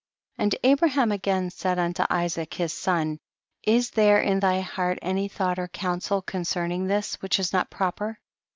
53. And Abraham again said unto Isaac his son, is there in thy heart any thought or counsel concerning this, which is not proper